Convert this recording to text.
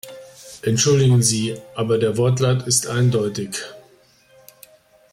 Entschuldigen Sie, aber der Wortlaut ist eindeutig!